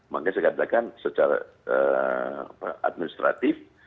makanya saya katakan secara administratif